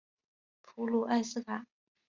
普卢埃斯卡。